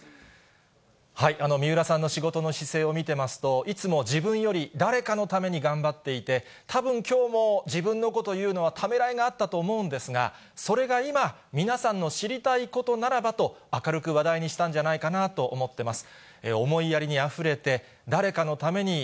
水卜さんの仕事の姿勢を見てますと、いつも自分より誰かのために頑張っていて、たぶんきょうも、自分のこと言うのは、ためらいがあったと思うんですが、それが今、皆さんの知りたいことならばと、この時間は午後６時１５分まで字幕放送をお送りします。